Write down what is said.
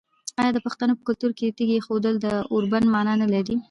آیا د پښتنو په کلتور کې د تیږې ایښودل د اوربند معنی نلري؟